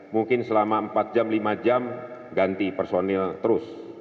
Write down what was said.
mungkin selama empat jam lima jam ganti personil terus